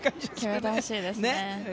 決めてほしいですね。